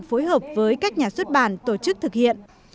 phối hợp với các nhà xuất bản tổ chức thực hiện